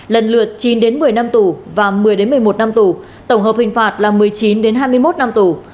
lần lượt chín một mươi năm tù và một mươi một mươi một năm tù tổng hợp hình phạt là một mươi chín hai mươi một năm tù